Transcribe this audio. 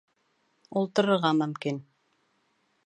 Ултырырға мөмкин!